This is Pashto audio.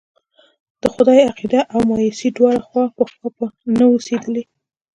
د خدای عقيده او مايوسي دواړه خوا په خوا نه اوسېدلی.